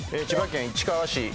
千葉県市川市。